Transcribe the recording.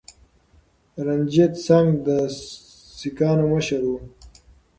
رنجیت سنګ د سکانو مشر و.